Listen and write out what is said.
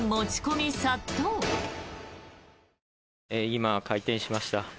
今、開店しました。